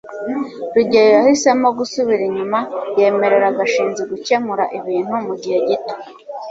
rugeyo yahisemo gusubira inyuma yemerera gashinzi gukemura ibintu mugihe gito